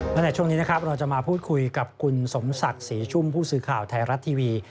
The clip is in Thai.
เมื่อไหนช่วงนี้เราจะมาพูดคุยกับคุณสมศักดิ์ศรีชุ่มผู้สือข่าวไทยรัตน์ทีวี